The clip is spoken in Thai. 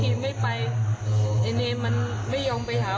สิ่งที่ถูกบอกแม่ตอนที่ว่า